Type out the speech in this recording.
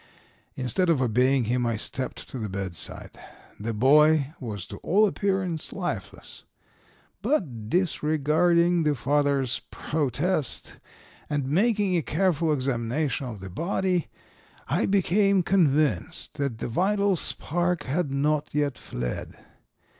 Instead of obeying him I stepped to the bedside. The boy was to all appearance lifeless, but disregarding the father's protest, and making a careful examination of the body, I became convinced that the vital spark had not yet fled.